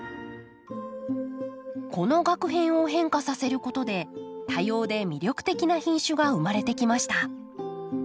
このがく片を変化させることで多様で魅力的な品種が生まれてきました。